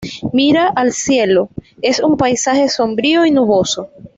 Mira al cielo, en un paisaje sombrío y nuboso.